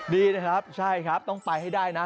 ดีนะครับใช่ครับต้องไปให้ได้นะ